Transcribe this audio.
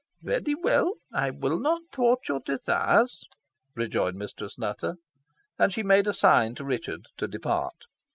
"Well, well, I will not thwart your desires," rejoined Mistress Nutter. And she made a sign to Richard to depart.